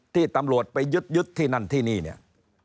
ที่ตำรวจไปยึดที่นั่นที่นี่เนี่ย